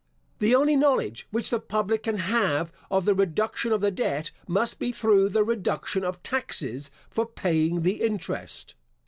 The only knowledge which the public can have of the reduction of the debt, must be through the reduction of taxes for paying the interest.